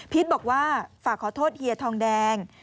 บอกว่าฝากขอโทษเฮียทองแดง